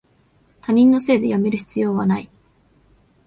他人のせいでやめる必要はない